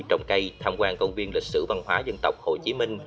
trồng cây tham quan công viên lịch sử văn hóa dân tộc hồ chí minh